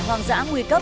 hoang dã nguy cấp